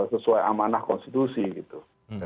sesuai amanah konstitusi gitu